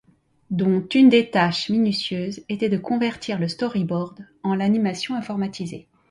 Dont une des tâches minutieuses était de convertir le storyboard en l’animation informatisée.